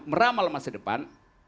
meramal masa depan